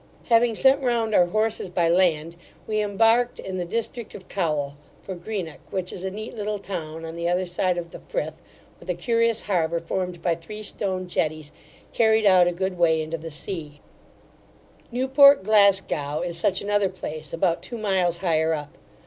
Having sent round our horses by land, we embarked in the distinct of Cowal, for Greenock, which is a neat little town, on the other side of the Frith, with a curious harbour formed by three stone jetties, carried out a good way into the sea Newport Glasgow is such another place, about two miles higher up.